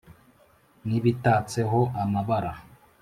n’ibitatseho amabara